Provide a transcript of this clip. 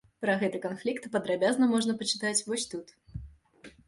Пра гэты канфлікт падрабязна можна пачытаць вось тут.